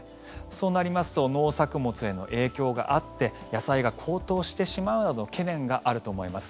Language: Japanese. そうなりますと農作物への影響があって野菜が高騰してしまうなどの懸念があると思います。